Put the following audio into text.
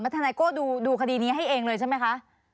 ทนายโก้ดูคดีนี้ให้เองเลยใช่ไหมคะ